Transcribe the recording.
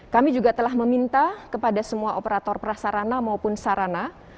kami juga telah meminta kepada semua operator prasarana maupun sarana